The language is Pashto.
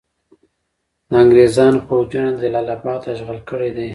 د انګریزانو پوځونو جلال اباد اشغال کړی دی.